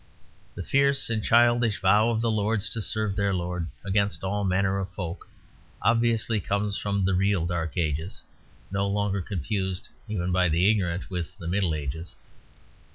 The fierce and childish vow of the lords to serve their lord "against all manner of folk" obviously comes from the real Dark Ages; no longer confused, even by the ignorant, with the Middle Ages.